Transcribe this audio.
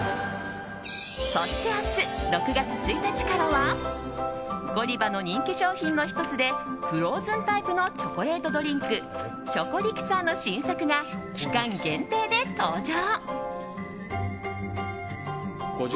そして明日、６月１日からはゴディバの人気商品の１つでフローズンタイプのチョコレートドリンクショコリキサーの新作が期間限定で登場。